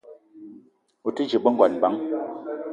O te dje be ngon bang ?